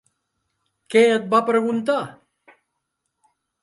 Què et va preguntar?